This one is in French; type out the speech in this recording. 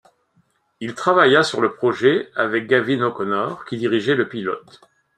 Il travailla sur le projet avec Gavin O'Connor, qui dirigeait le pilote.